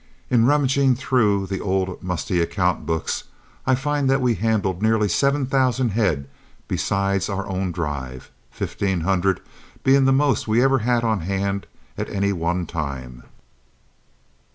In rummaging through the old musty account books, I find that we handled nearly seven thousand head besides our own drive, fifteen hundred being the most we ever had on hand at any one time.